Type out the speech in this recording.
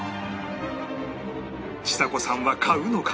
ちさ子さんは買うのか？